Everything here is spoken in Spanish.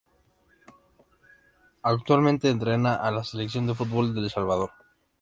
Actualmente entrena a la Selección de futbol de El Salvador.